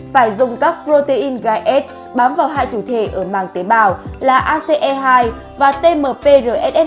phải dùng các protein gai s bám vào hai thụ thể ở màng tế bào là ace hai và tmprss hai